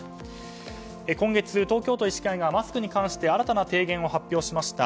今月、東京都医師会がマスクに関して新たな提言を発表しました。